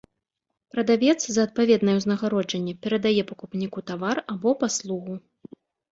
Прадавец за адпаведнае ўзнагароджанне перадае пакупніку тавар або паслугу.